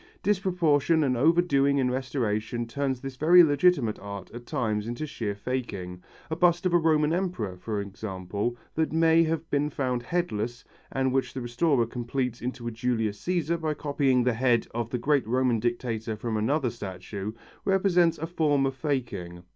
Disproportion and overdoing in restoration turns this very legitimate art at times into sheer faking. A bust of a Roman emperor, for example, that may have been found headless and which the restorer completes into a Julius Cæsar by copying the head of the great Roman dictator from another statue, represents a form of faking.